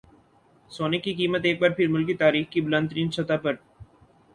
سونے کی قیمت ایک بار پھر ملکی تاریخ کی بلند ترین سطح پر